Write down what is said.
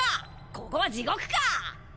ここは地獄か！